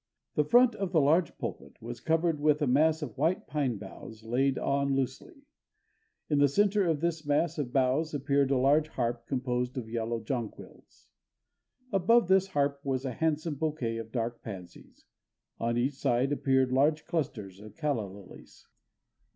The front of the large pulpit was covered with a mass of white pine boughs laid on loosely. In the center of this mass of boughs appeared a large harp composed of yellow jonquils.... Above this harp was a handsome bouquet of dark pansies. On each side appeared large clusters of calla lilies.